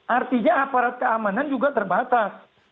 artinya aparat keamanan juga terbatas